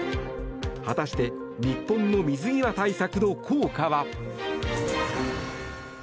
果たして日本の水際対策の効果は？